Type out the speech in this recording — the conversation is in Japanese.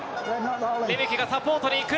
レメキがサポートに行く。